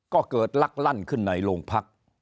ก็เกิดลักลั่นขึ้นในโรงพัก